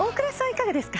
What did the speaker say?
いかがですか？